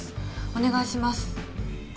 お願いします。